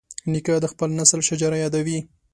نیکه د خپل نسل شجره یادوي.